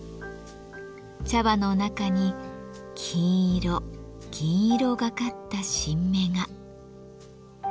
茶葉の中に金色銀色がかった新芽が。